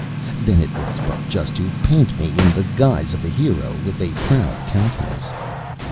Then it was but just to paint me in the guise of a hero, with a proud countenance.